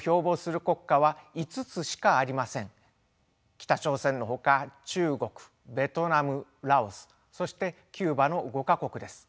北朝鮮のほか中国ベトナムラオスそしてキューバの５か国です。